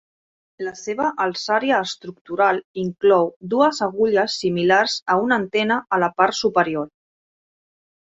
La seva alçària estructural inclou dues agulles similars a una antena a la part superior.